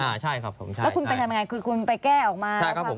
อ่าใช่ครับผมใช่แล้วคุณไปทำยังไงคือคุณไปแก้ออกมาใช่ครับผม